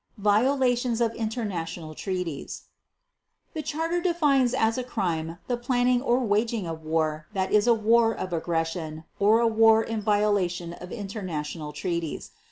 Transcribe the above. Violations of International Treaties The Charter defines as a crime the planning or waging of war that is a war of aggression or a war in violation of international treaties.